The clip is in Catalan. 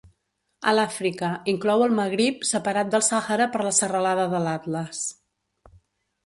A l'Àfrica, inclou el Magrib, separat del Sàhara per la serralada de l'Atles.